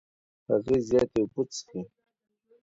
هغې زياتې اوبه څښې.